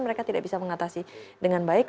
mereka tidak bisa mengatasi dengan baik